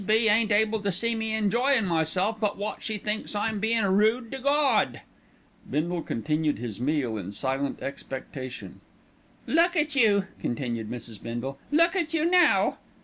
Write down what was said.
B. ain't able to see me enjoyin' myself but wot she thinks I'm bein' rude to Gawd." Bindle continued his meal in silent expectation. "Look at you!" continued Mrs. Bindle. "Look at you now!"